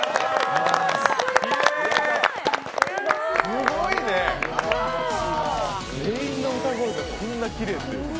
すごいね、全員の歌声がこんなにきれいって。